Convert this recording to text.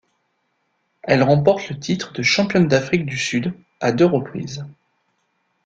Elle remporte le titre de championne d'Afrique du Sud à deux reprises.